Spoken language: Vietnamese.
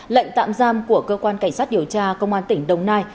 lệnh tạm giam của cơ quan cảnh sát điều tra công an tỉnh đồng nai